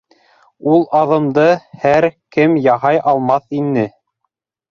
Ул аҙымды һәр кем яһай алмаҫ ине.